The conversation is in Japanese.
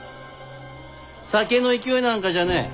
酒の勢いなんかじゃねえ。